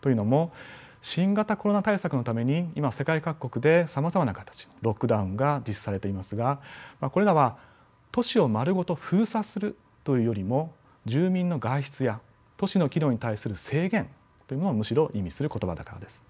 というのも新型コロナ対策のために今世界各国でさまざまな形ロックダウンが実施されていますがまあこれらは都市を丸ごと封鎖するというよりも住民の外出や都市の機能に対する制限っていうのをむしろ意味する言葉だからです。